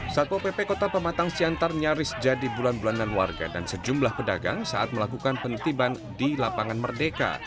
satpo pp kota pematang siantar nyaris jadi bulan bulanan warga dan sejumlah pedagang saat melakukan pentiban di lapangan merdeka